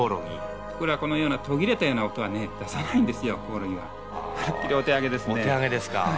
これは、このような途切れたような音は出さないんですよ、コオロギは。